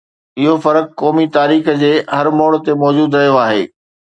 اهو فرق قومي تاريخ جي هر موڙ تي موجود رهيو آهي.